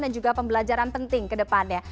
dan juga pembelajaran penting kedepannya